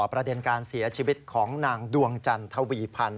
ประเด็นการเสียชีวิตของนางดวงจันทวีพันธ์